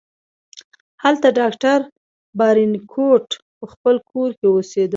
هلته ډاکټر بارنیکوټ په خپل کور کې اوسیده.